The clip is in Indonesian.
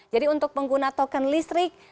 jadi untuk pengguna token listrik